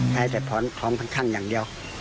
ใช้แต่ท้องพันธุ์ชั่งอย่างเดียว